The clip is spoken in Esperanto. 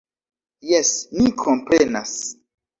Jes, ni komprenas.